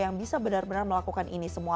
yang bisa benar benar melakukan ini semua